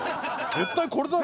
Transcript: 絶対これだろ。